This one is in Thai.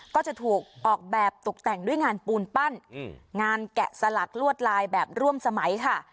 ก็จะถูกออกแบบตกแต่งด้วยงานปูนปั้นงานแกะสลักลวดลายแบบร่วมสมัยค่ะ